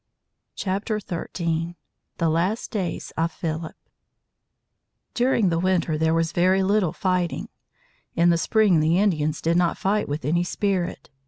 XIII. THE LAST DAYS OF PHILIP During the winter there was very little fighting. In the spring the Indians did not fight with any spirit.